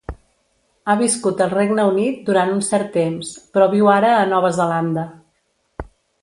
Ha viscut al Regne Unit durant un cert temps, però viu ara a Nova Zelanda.